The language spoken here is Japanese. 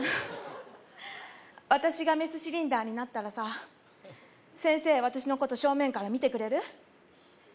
私がメスシリンダーになったらさ先生私のこと正面から見てくれる？